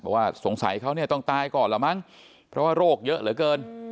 ว่าสงสัยเขาเนี่ยต้องตายก่อนละมั้งเพราะว่าโรคเยอะเหลือเกิน